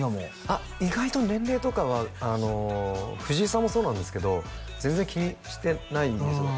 あっ意外と年齢とかは藤井さんもそうなんですけど全然気にしてないんですよ